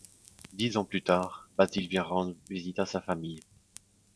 Dix ans plus tard, Basile vient rendre visite à sa famille.